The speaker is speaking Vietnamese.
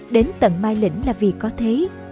đến tận mai lĩnh là vì có thế